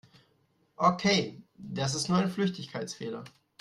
Okay, das ist nur ein Flüchtigkeitsfehler.